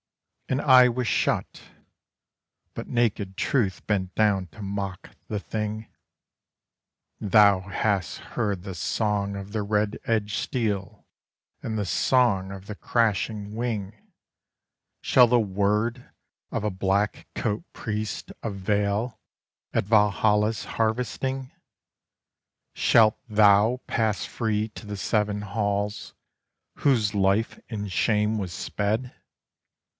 And Eye was shut. But Nakéd Truth bent down to mock the Thing: "Thou hast heard the Song of the Red edged Steel, and the Song of the Crashing Wing: Shall the word of a black coat priest avail at Valhalla's harvesting? Shalt thou pass free to the Seven Halls whose life in shame was sped?"